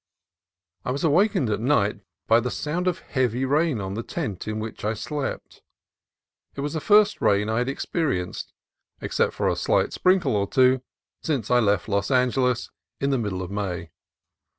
I was awakened at night by the sound of heavy rain on the tent in which I slept. It was the first rain I had experienced, except for a slight sprinkle or two. since I left Los Angeles in the middle of May.